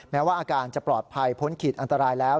แม้ว่าอาการจะปลอดภัยพ้นขีดอันตรายแล้ว